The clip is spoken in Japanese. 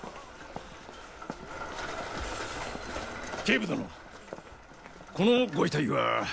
警部殿このご遺体は？